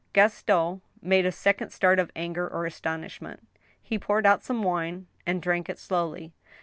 Gaston made a second start of anger or astonishment. He poured out some wine, and drank it slowly.